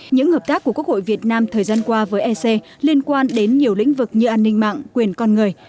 những hợp tác của quốc hội việt nam thời gian qua với ec liên quan đến nhiều lĩnh vực như an ninh mạng quyền con người